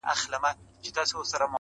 نجلۍ نه وه شاه پري وه ګلدسته وه.!